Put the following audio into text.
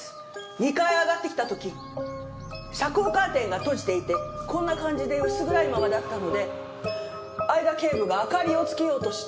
２階へ上がってきた時遮光カーテンが閉じていてこんな感じで薄暗いままだったので会田警部が明かりをつけようとして。